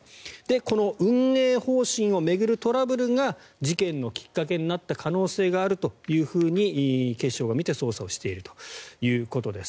この運営方針を巡るトラブルが事件のきっかけになった可能性があるというふうに警視庁がみて捜査しているということです。